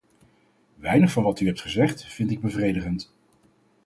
Weinig van wat u hebt gezegd, vind ik bevredigend.